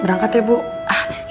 berangkat ya bukannya